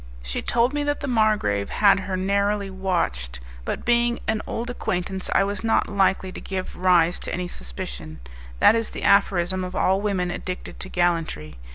She told me that the margrave had her narrowly watched, but being an old acquaintance I was not likely to give rise to any suspicion; that is the aphorism of all women addicted to gallantry.